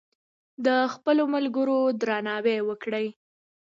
د خپلو ملګرو درناوی وکړئ.